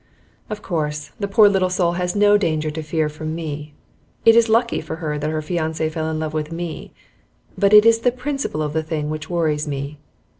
Of course, the poor little soul has no danger to fear from me; it is lucky for her that her fiance fell in love with me; but it is the principle of the thing which worries me.